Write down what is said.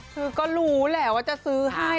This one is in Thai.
คือก็รู้แหละว่าจะซื้อให้